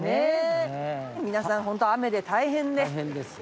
皆さん本当雨で大変で。